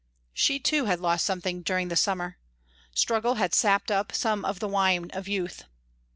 She too had lost something during the summer. Struggle had sapped up some of the wine of youth.